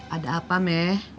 ada apa meh